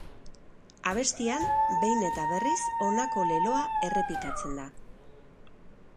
Abestian behin eta berriz honako leloa errepikatzen da.